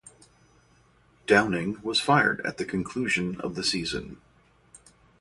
Downing was fired at the conclusion of the season.